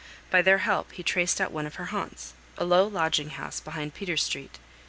By their help he traced out one of her haunts, a low lodging house behind Peter Street.